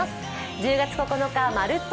１０月９日「まるっと！